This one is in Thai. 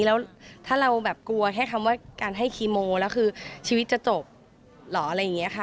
แล้วถ้าเราแบบกลัวแค่คำว่าการให้คีโมแล้วคือชีวิตจะจบเหรออะไรอย่างนี้ค่ะ